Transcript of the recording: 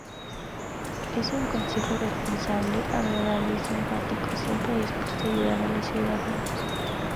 Es un conejo responsable, agradable y simpático, siempre dispuesto a ayudar a los ciudadanos.